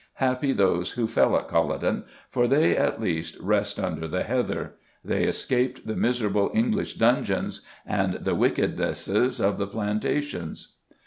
Happy those who fell at Culloden, for they, at least, rest under the heather; they escaped the miserable English dungeons and the wickednesses of the plantations.